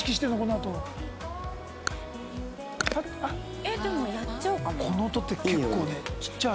えっでもやっちゃうかも。